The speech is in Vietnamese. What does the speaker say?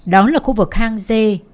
đó là khu vực hang dê